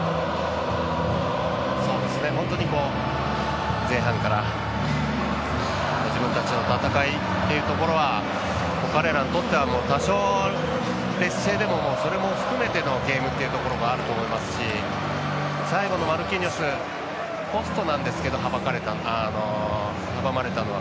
本当に、前半から自分たちの戦いというところは彼らにとっては多少劣勢でもそれも含めてのゲームというところもあると思いますし最後のマルキーニョスポストなんですけど阻まれたのは。